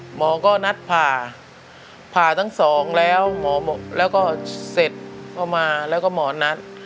หมอก็นัดผ่าผ่าทั้งสองแล้วหมอแล้วก็เสร็จเข้ามาแล้วก็หมอนัด